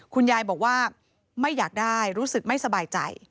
คุณยายบอกว่าไม่อยากได้รู้สึกไม่สบายใจ